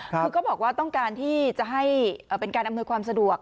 คือเขาบอกว่าต้องการที่จะให้เป็นการอำนวยความสะดวก